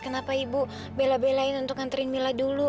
kenapa ibu bela belain untuk nganterin mila dulu